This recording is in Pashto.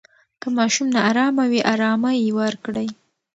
که ماشوم نا آرامه وي، آرامۍ ورکړئ.